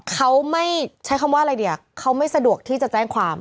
เขาไม่ใช้คำว่าอะไรดีเขาไม่สะดวกที่จะแจ้งความ